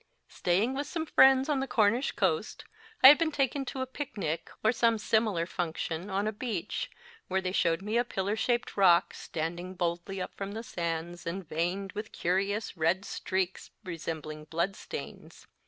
Staying with some friends on the Cornish coast, I had been taken to a picnic, or some similar function, on a beach, where they showed me a pillar shaped rock, standing boldly up from the sands, and veined with curious red streaks 278 MY FIRST BOOK resembling bloodstains.